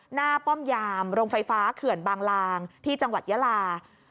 ป้อมยามโรงไฟฟ้าเขื่อนบางลางที่จังหวัดยาลา